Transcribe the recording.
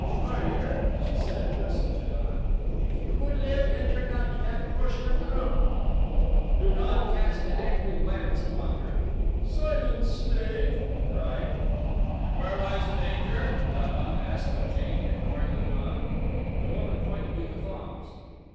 "Warrior," she said, addressing Ja don, "if you would live enter not that portion of the room." Lu don cast an angry glance upon her. "Silence, slave!" he cried. "And where lies the danger?" Ja don asked of Jane, ignoring Lu don. The woman pointed to the thongs.